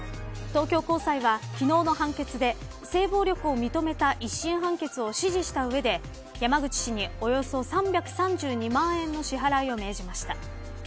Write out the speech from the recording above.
東京高裁は昨日の判決で性暴力を認めた一審判決を支持した上で、山口氏におよそ３３２万円の支払いを命じました。